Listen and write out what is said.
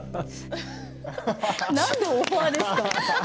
なんのオファーですか。